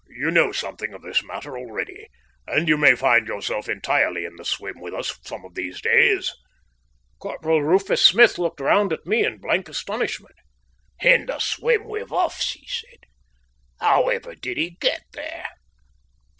You know something of this matter already, and may find yourself entirely in the swim with us some of these days." Corporal Rufus Smith looked round at me in blank astonishment. "In the swim with us?" he said. "However did he get there?"